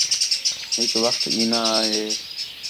ہِک وخت ایناں آ ہے